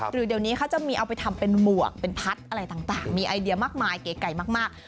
หรือเดี๋ยวนี้เขาจะมีเอาไปทำเป็นหมวกเป็นพัดอะไรต่างมีไอเดียมากมายเก๋มาก